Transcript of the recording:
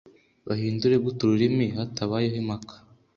bahindura gute ururimi hatabayeho impaka